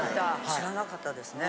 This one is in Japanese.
知らなかったですね。